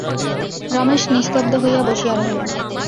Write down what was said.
রমেশ নিস্তব্ধ হইয়া বসিয়া রহিল।